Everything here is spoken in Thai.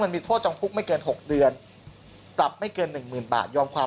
มันมีโทษจังพลุกไม่เกิน๖เดือนปรับไม่เกิน๑หมื่นบาทยอม